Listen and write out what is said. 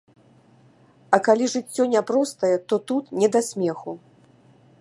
А калі жыццё няпростае, то тут не да смеху.